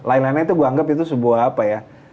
lain lainnya itu gue anggap itu sebuah apa ya